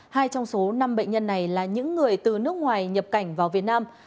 hai trong số năm bệnh nhân này là những người từ nước ngoài nhập cảnh vào việt nam